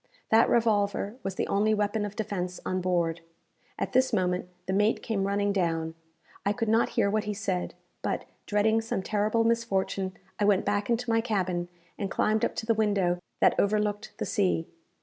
That revolver was the only weapon of defence on board. At this moment the mate came running down. I could not hear what he said, but, dreading some terrible misfortune, I went back into my cabin, and climbed up to the window that overlooked the sea.